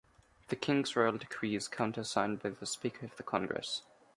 The king's royal decree is countersigned by the Speaker of the Congress.